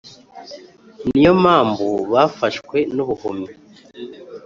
Ni yo mpamvu bafashwe n’ubuhumyi,